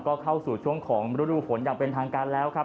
ก็เข้าสู่ช่วงของฤดูฝนอย่างเป็นทางการแล้วครับ